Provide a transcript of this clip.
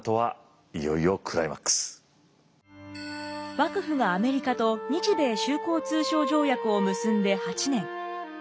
幕府がアメリカと日米修好通商条約を結んで８年。